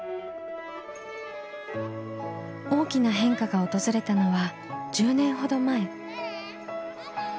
大きな変化が訪れたのは１０年ほど前。